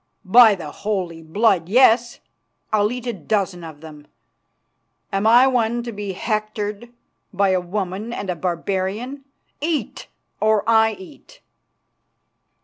"By the Holy Blood, yes. I'll eat a dozen of them. Am I one to be hectored by a woman and a barbarian? Eat, or I eat."